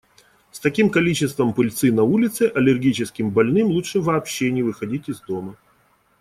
С таким количеством пыльцы на улице, аллергическим больным лучше вообще не выходить из дома.